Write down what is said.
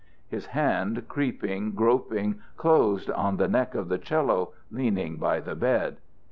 His hand, creeping, groping, closed on the neck of the 'cello leaning by the bed.